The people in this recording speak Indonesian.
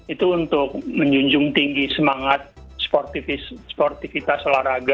itu untuk menjunjung tinggi semangat sportivitas olahraga